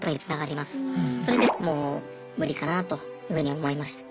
それでもう無理かなというふうに思いました。